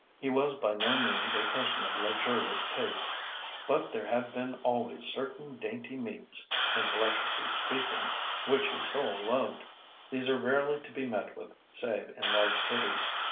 He was by no means a person of luxurious tastes. But there had been always certain dainty meats, intellectually speaking, which his soul loved. These are rarely to be met with save in large cities.